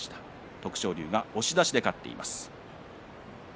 徳勝龍が押し出しで勝っています。